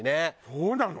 そうなの？